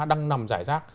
đang nằm giải rác